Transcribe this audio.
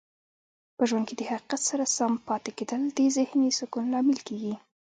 په ژوند کې د حقیقت سره سم پاتې کیدل د ذهنې سکون لامل کیږي.